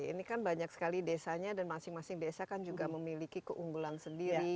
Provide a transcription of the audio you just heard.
ini kan banyak sekali desanya dan masing masing desa kan juga memiliki keunggulan sendiri